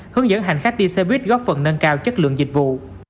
hướng dẫn hành khách đi xe buýt góp phần nâng cao chất lượng dịch vụ